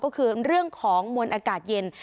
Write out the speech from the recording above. ก็คือเรื่องของมวลอากาศเย็น